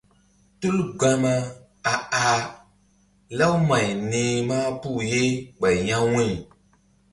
Tul gun Gama a ah lawmay ni̧h mahpuh ye ɓay ya̧ wu̧y.